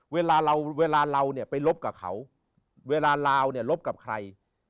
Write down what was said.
เวลาเราไปลบกับเขาเวลาเราลบกับใคร